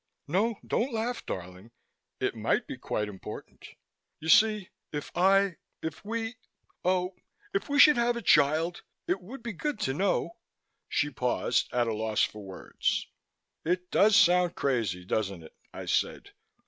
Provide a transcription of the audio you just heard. "No, don't laugh, darling. It might be quite important. You see, if I if we Oh, if we should have a child, it would be good to know " she paused, at a loss for words. "It does sound crazy, doesn't it?" I said.